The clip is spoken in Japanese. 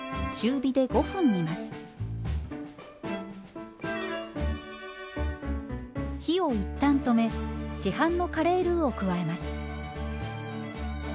火を一旦止め市販のカレールウを加えます。